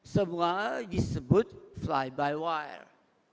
semuanya disebut fly by wire